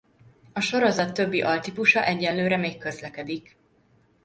A sorozat többi altípusa egyelőre még közlekedik.